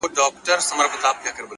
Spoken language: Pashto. • نظر غرونه چوي ,